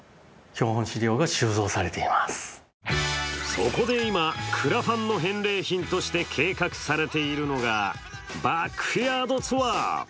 そこで今、クラファンの返礼品として計画されているのがバックヤードツアー。